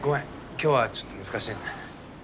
今日はちょっと難しいんだ。